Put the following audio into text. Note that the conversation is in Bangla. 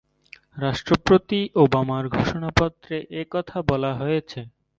রাষ্ট্রপতি ওবামার ঘোষণাপত্রে এ কথা বলা হয়েছে।